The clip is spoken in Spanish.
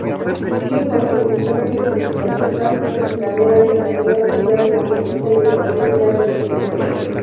Hizo contribuciones significativas y duraderas a la vida social, política y económica de Imerina.